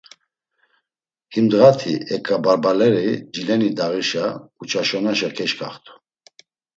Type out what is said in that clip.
Him ndğati, eǩabarbaleri cileni dağişa, Uçaşonaşa keşǩaxt̆u.